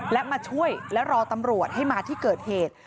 และมาช่วยและรอตำรวจให้มาที่เกิดเหตุ